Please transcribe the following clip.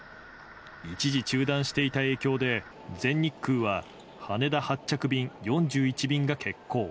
一時中断していた影響で全日空は羽田発着便４１便が欠航。